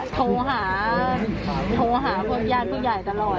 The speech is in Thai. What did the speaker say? โทรหาโทรหาพวกญาติผู้ใหญ่ตลอด